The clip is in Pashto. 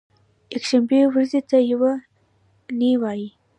یکشنبې ورځې ته یو نۍ وایی